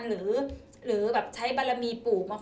หรือแบบใช้บารมีปู่มาขอ